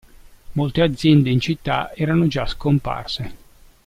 Molte aziende in città erano già scomparse.